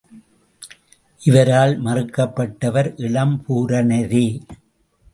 இவரால் மறுக்கப்பட்டவர் இளம்பூரணரே.